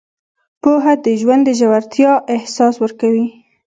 پوهه د ژوند د ژورتیا احساس ورکوي.